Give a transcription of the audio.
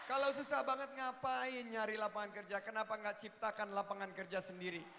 kalau susah banget ngapain nyari lapangan kerja kenapa gak ciptakan lapangan kerja sendiri